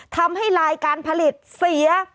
ทำให้ลายการผลิตเสีย